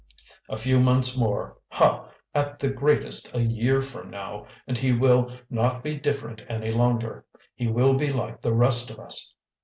A few months more ha, at the greatest, a year from now and he will not be different any longer; he will be like the rest of us.